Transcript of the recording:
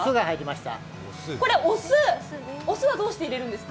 お酢はどうして入れるんですか？